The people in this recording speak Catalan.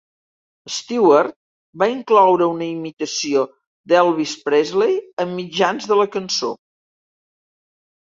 Stewart va incloure una imitació d'Elvis Presley a mitjans de la cançó.